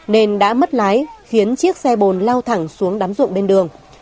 nên đã mất lái khiến chiếc xe bồn lao thẳng xuống đám rộn bên đường